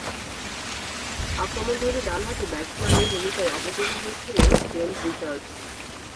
আক্রমণধর্মী ডানহাতি ব্যাটসম্যানের ভূমিকায় অবতীর্ণ হয়েছিলেন কেন রিচার্ডস।